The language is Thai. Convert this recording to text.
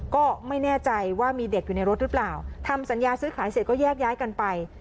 ก็ไม่แน่ใจว่ามีเด็กอยู่ในรถหรือเปล่าทำสัญญาซื้อขายเสร็จก็แยกย้ายกันไป